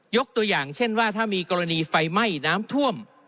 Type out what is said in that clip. ตัวอย่างเช่นว่าถ้ามีกรณีไฟไหม้น้ำท่วม